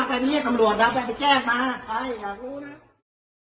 ไปเรียกใครมาไปเรียกตำรวจมาไปแจ้งมา